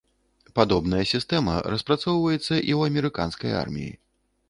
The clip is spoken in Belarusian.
Падобная сістэма распрацоўваецца і ў амерыканскай арміі.